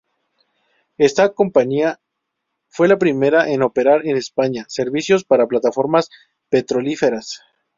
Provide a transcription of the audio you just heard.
Esta compañía fue la primera en operar en España servicios para plataformas petrolíferas.